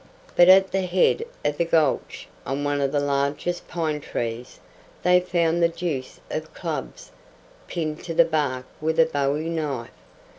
But at the head of the gulch, on one of the largest pine trees, they found the deuce of clubs pinned to the bark with a bowie knife.